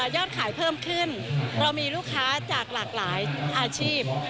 ยอดขายเพิ่มขึ้นเรามีลูกค้าจากหลากหลายอาชีพ